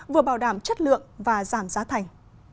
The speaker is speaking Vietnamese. vừa bảo đảm chất lượng và giảm giá thành